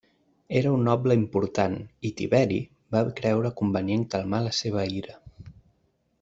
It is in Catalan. Era un noble important, i Tiberi va creure convenient calmar la seva ira.